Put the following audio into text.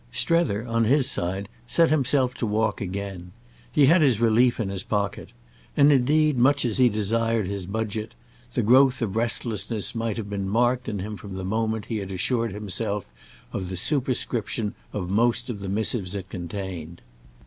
Strether, on his side, set himself to walk again—he had his relief in his pocket; and indeed, much as he had desired his budget, the growth of restlessness might have been marked in him from the moment he had assured himself of the superscription of most of the missives it contained.